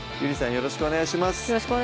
よろしくお願いします